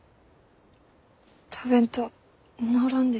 食べんと治らんで。